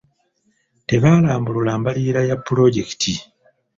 Tebaalambulula mbalirira ya pulojekiti.